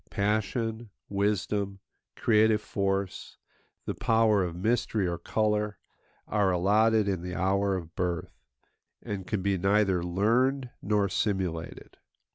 Passion, wisdom, creative force, the power of mystery or colour, are allotted in the hour of birth, and can be neither learned nor simulated.